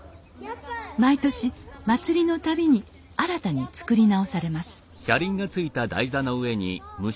毎年祭りの度に新たに作り直されます